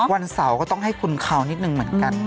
วันเสาร์ก็ต้องให้ขึ้นคราวนิดหนึ่ง